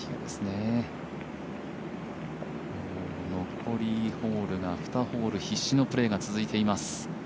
残りホールが２ホール必死のプレーが続いています。